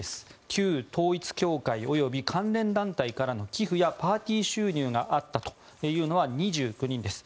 旧統一教会及び関連団体からの寄付やパーティー収入があったというのは２９人です。